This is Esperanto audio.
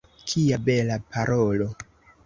Kia bela parolo!